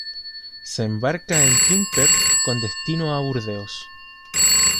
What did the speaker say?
Se embarca en Quimper con destino a Burdeos.